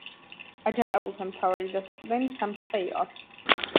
აჯანყებულთა მთავარი დასაყრდენი სამცხე იყო.